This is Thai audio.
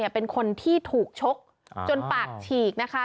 เป็นคนที่ถูกชกจนปากฉีกนะคะ